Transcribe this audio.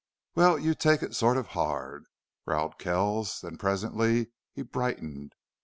"Well, you take it sort of hard," growled Kells. Then presently he brightened.